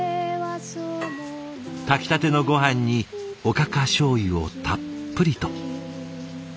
炊きたてのごはんにおかかしょうゆをたっぷりと。